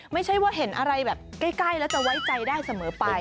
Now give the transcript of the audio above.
ไม่ใช่ว่าเห็นอะไรแบบใกล้แล้วจะไว้ใจได้เสมอไป